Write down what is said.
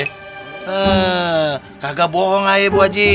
heee kagak bohong aja bu haji